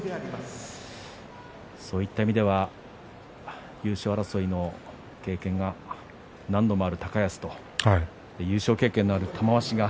そういった意味では優勝争いの経験が何度もある高安と優勝経験のある玉鷲が。